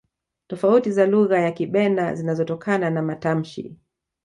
tofauti za lugha ya kibena zinazotokana na matamshi